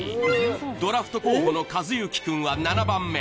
ドラフト候補の寿志君は７番目。